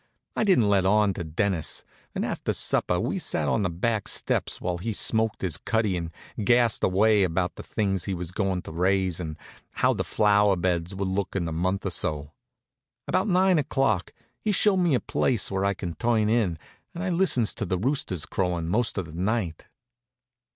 I didn't let on to Dennis, and after supper we sat on the back steps while he smoked his cutty and gassed away about the things he was goin' to raise, and how the flower beds would look in a month or so. About nine o'clock he shows me a place where I can turn in, and I listens to the roosters crowin' most of the night.